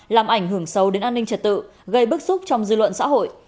làm ảnh hưởng sâu đến an ninh trật tự gây bức xúc trong dư luận xã hội